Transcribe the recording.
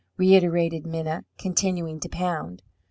reiterated Minna continuing to pound.